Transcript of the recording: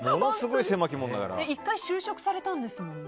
１回就職されたんですもんね？